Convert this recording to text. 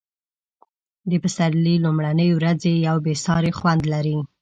د پسرلي لومړنۍ ورځې یو بې ساری خوند لري.